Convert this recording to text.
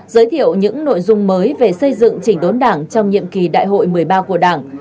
giới thiệu những nội dung mới về xây dựng chỉnh đốn đảng trong nhiệm kỳ đại hội một mươi ba của đảng